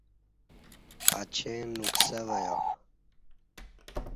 اچیں نکسہ وہ یا